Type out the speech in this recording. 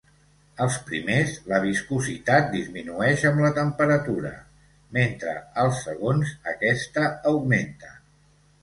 Als primers la viscositat disminueix amb la temperatura, mentre als segons aquesta augmenta.